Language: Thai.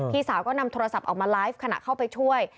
สาวก็นำโทรศัพท์ออกมาไลฟ์ขณะเข้าไปช่วย